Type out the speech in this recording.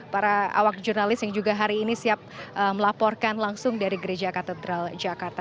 para awak jurnalis yang juga hari ini siap melaporkan langsung dari gereja katedral jakarta